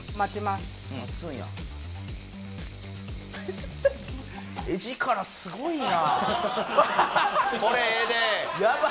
すごいな。